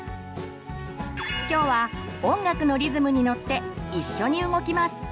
今日は音楽のリズムにのっていっしょに動きます。